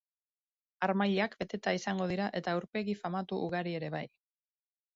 Harmailak beteta izango dira eta aurpegi famatu ugari ere bai.